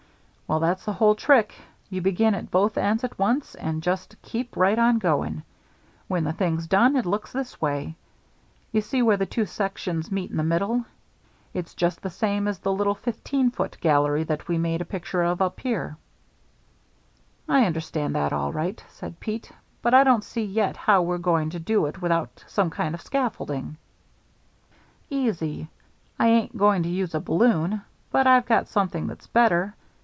"Well, that's the whole trick. You begin at both ends at once and just keep right on going. When the thing's done it looks this way. You see where the two sections meet in the middle, it's just the same as the little fifteen foot gallery that we made a picture of up here." [Illustration: "WELL, THAT'S THE WHOLE TRICK"] "I understand that all right," said Pete, "but I don't see yet how you're going to do it without some kind of scaffolding." "Easy. I ain't going to use a balloon, but I've got something that's better.